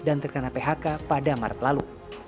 terkena phk pada maret lalu